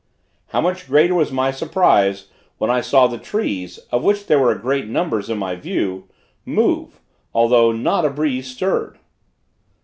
How much greater was my surprise when I saw the trees, of which there were great numbers in my view, move, although not a breeze stirred.